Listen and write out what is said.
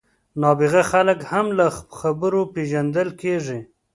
نابغه خلک هم له خبرو پېژندل کېږي.